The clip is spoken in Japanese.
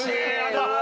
うわ。